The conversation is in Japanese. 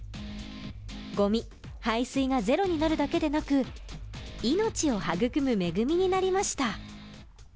ごみ・廃水がゼロになるだけでなく命を育む恵みになりました。